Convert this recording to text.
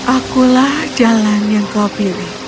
aku adalah jalan yang kau pilih